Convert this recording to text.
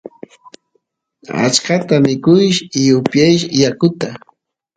achkata mikush y upiyash yakuta